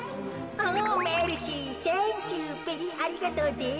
おメルシーサンキューベリーありがとうです。